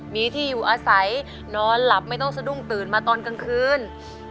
มีที่อยู่อาศัยนอนหลับไม่ต้องสะดุ้งตื่นมาตอนกลางคืน